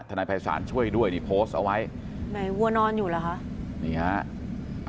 นายภัยศาลช่วยด้วยนี่โพสต์เอาไว้ไหนวัวนอนอยู่เหรอคะนี่ฮะ